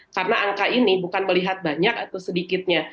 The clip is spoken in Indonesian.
karena angka ini bukan melihat banyak atau sedikitnya